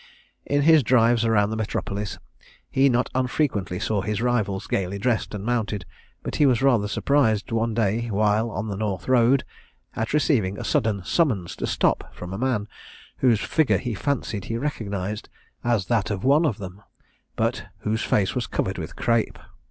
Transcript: In his drives round the metropolis, he not unfrequently saw his rivals gaily dressed and mounted, but he was rather surprised one day, while on the North Road, at receiving a sudden summons to stop from a man, whose figure he fancied he recognised as that of one of them, but whose face was covered with crape.